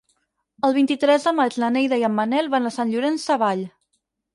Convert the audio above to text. El vint-i-tres de maig na Neida i en Manel van a Sant Llorenç Savall.